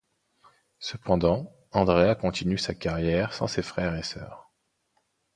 Cependant, Andrea continue sa carrière sans ses frère et sœurs.